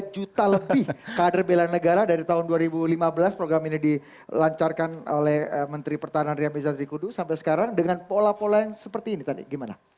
tiga juta lebih kader belan negara dari tahun dua ribu lima belas program ini dilancarkan oleh menteri pertahanan ria miza trikudu sampai sekarang dengan pola pola yang seperti ini tadi gimana